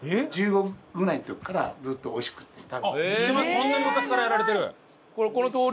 そんなに昔からやられてる。